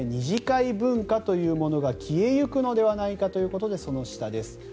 ２次会文化というものが消えゆくのではないかということでその下です。